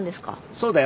そうだよ。